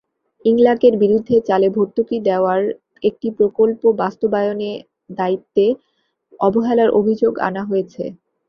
ইংলাকের বিরুদ্ধে চালে ভর্তুকি দেওয়ার একটি প্রকল্প বাস্তবায়নে দায়িত্বে অবহেলার অভিযোগ আনা হয়েছে।